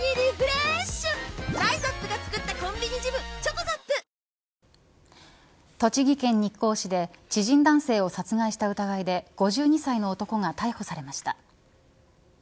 陸上自衛隊で唯一の落下傘部隊である栃木県日光市で知人男性を殺害した疑いで５２歳の男が逮捕されました。